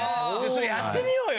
それやってみようよ！